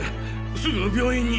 すぐ病院に。